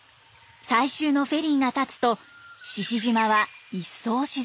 最終のフェリーがたつと志々島は一層静けさを増します。